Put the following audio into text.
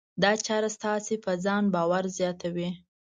دا چاره ستاسې په ځان باور زیاتوي.